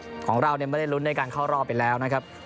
ของเราเนี่ยไม่ได้ลุ้นในการเข้ารอบไปแล้วนะครับ